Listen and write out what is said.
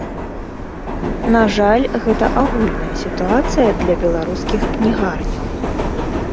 На жаль, гэта агульная сітуацыя для беларускіх кнігарняў.